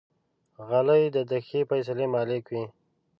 غلی، د ښې فیصلې مالک وي.